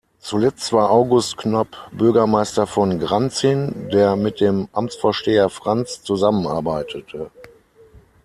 Zuletzt war August Knop Bürgermeister von Granzin, der mit dem Amtsvorsteher Franz zusammenarbeitete.